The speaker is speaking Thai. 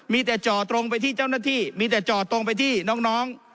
มีแต่จ่อตรงไปที่เจ้าหน้าที่มีแต่จ่อตรงไปที่น้อง